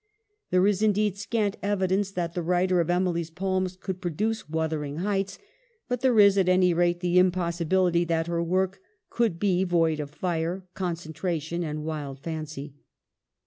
There is, indeed, scant evidence that the writer of Ermly's poems could produce ' Wuthering Heights ;' but there is, at any rate, the impossibility that her work could be. void of fire, concentration, and wild fancy.